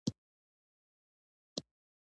د مصرف بدلون د بازار حالت بدلوي.